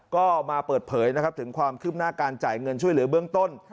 ก็มาเปิดเผยนะครับถึงความคืบหน้าการจ่ายเงินช่วยเหลือเบื้องต้น